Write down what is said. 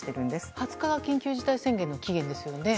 ２０日が緊急事態宣言の期限ですよね。